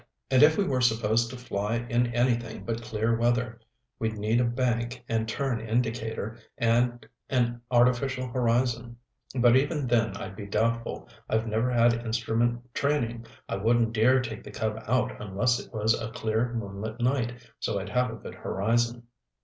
And if we were supposed to fly in anything but clear weather, we'd need a bank and turn indicator and an artificial horizon. But even then I'd be doubtful. I've never had instrument training. I wouldn't dare take the Cub out unless it was a clear, moonlit night, so I'd have a good horizon."